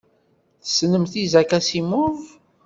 Tessnemt Isaac Asimov?